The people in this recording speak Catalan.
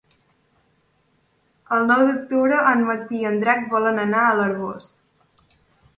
El nou d'octubre en Martí i en Drac volen anar a l'Arboç.